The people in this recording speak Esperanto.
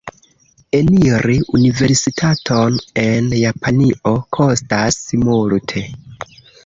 Eniri universitaton en Japanio kostas multe.